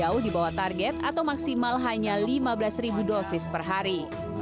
jauh di bawah target atau maksimal hanya lima belas dosis per hari